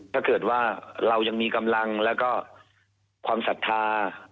ถ้าเกิดว่าเรายังมีกำลังแล้วก็ความศรัทธา